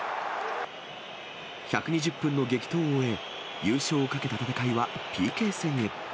１２０分の激闘を終え、優勝をかけた戦いはＰＫ戦へ。